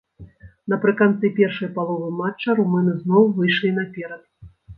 Напрыканцы першай паловы матча румыны зноў выйшлі наперад.